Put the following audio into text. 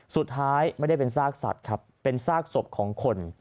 สุดท้ายไม่ได้เป็นซากสัตว์ครับเป็นซากศพของคน